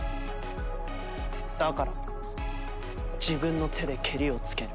だから自分の手でケリをつける。